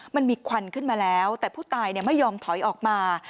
มันมีควันขึ้นมาแล้วแต่ผู้ตายไม่ยอมถอยออกมา